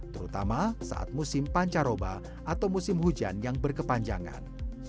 terutama saat musim pancaroba atau musim hujan yang berkepanjangan